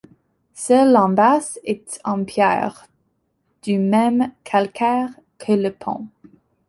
Seule l'embase est en pierre, du même calcaire que le pont.